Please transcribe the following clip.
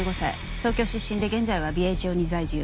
東京出身で現在は美瑛町に在住。